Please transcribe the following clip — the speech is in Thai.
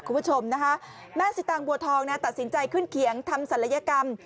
คุณผู้ชมนะคะแม่สิตางบัวทองนะตัดสินใจขึ้นเขียงทำศัลยกรรม